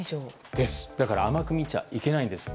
だから甘く見ちゃいけないんです。